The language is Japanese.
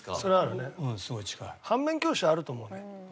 反面教師はあると思うね。